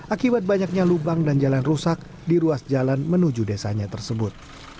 akibat banyaknya lubang dan jalan rusak di ruas jalan menuju desanya tersebut